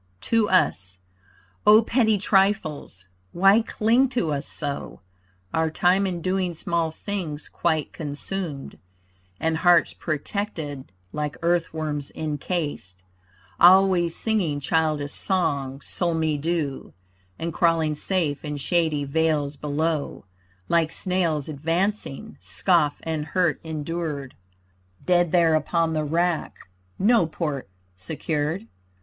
TO US O petty trifles! Why cling to us so? Our time in doing small things quite consumed, And hearts protected like earth worms encased, Always singing childish songs, sol me do, And crawling safe in shady vales below, Like snails advancing, scoff and hurt endured, Dead there upon the rack, no port secured.